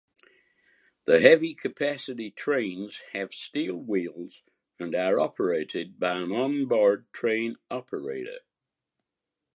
The heavy-capacity trains have steel wheels and are operated by an on-board train operator.